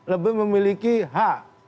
lebih memiliki hak